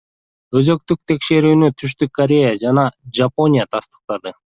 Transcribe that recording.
Өзөктүк текшерүүнү Түштүк Корея жана Жапония тастыктады.